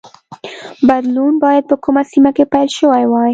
بدلون باید په کومه سیمه کې پیل شوی وای